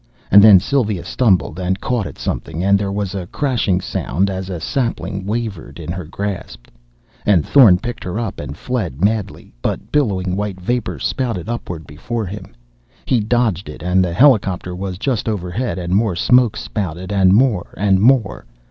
And then Sylva stumbled and caught at something, and there was a crashing sound as a sapling wavered in her grasp.... And Thorn picked her up and fled madly. But billowing white vapor spouted upward before him. He dodged it, and the helicopter was just overhead and more smoke spouted, and more, and more....